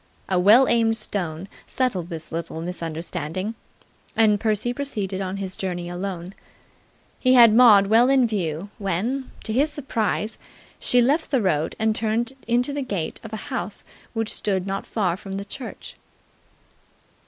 A well aimed stone settled this little misunderstanding, and Percy proceeded on his journey alone. He had Maud well in view when, to his surprise, she left the road and turned into the gate of a house which stood not far from the church.